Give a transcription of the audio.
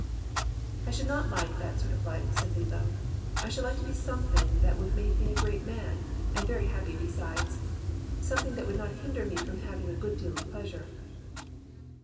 " *I should not like that sort of life,' said Lillo. * I should like to be something that would make me a great man, and very happy besides — something that would not hinder me from having a good deal of pleasure.